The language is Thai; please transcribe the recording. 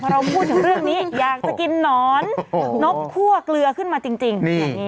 เราพูดถึงเรื่องนี้อยากจะกินหนอนนกคั่วเกลือขึ้นมาจริง